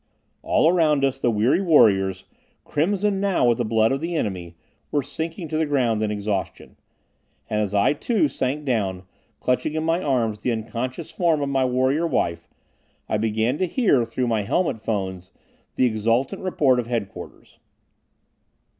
All around us the weary warriors, crimsoned now with the blood of the enemy, were sinking to the ground in exhaustion. And as I too, sank down, clutching in my arms the unconscious form of my warrior wife, I began to hear, through my helmet phones, the exultant report of headquarters.